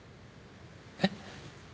えっ？